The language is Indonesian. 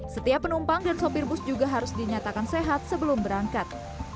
setiap penumpang dan sopir bus juga harus dinyatakan sehat sebelum berangkat